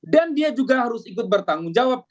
dan dia juga harus ikut bertanggung jawab